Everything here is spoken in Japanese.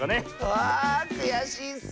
あくやしいッス！